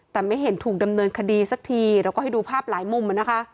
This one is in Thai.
แต่ไม่เห็นถูกดำเนินคดีสักทีเราก็ให้ดูภาพหลายมุมนะคะ